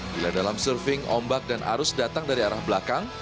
bila dalam surfing ombak dan arus datang dari arah belakang